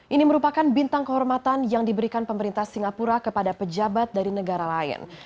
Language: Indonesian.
ini merupakan bintang kehormatan yang diberikan pemerintah singapura kepada pejabat dari negara lain